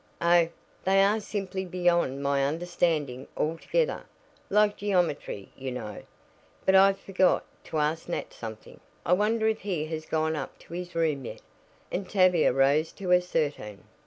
"Oh, they are simply beyond my understanding altogether. Like geometry, you know. But I forgot to ask Nat something. I wonder if he has gone up to his room yet?" and Tavia rose to ascertain.